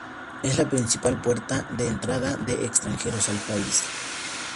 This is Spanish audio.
Es la principal puerta de entrada de extranjeros al país.